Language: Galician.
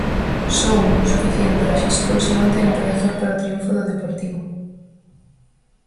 Só un, suficiente, rexistrouse onte en Riazor para o triunfo do Deportivo.